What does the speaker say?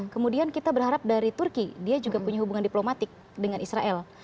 kemudian kita berharap dari turki dia juga punya hubungan diplomatik dengan israel